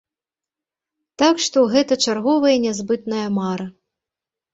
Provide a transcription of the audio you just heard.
Так што гэта чарговая нязбытная мара.